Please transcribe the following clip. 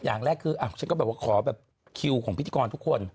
อย่างแรกคือฉันก็แบบว่าขอแบบคิวของพิธีกรทุกคน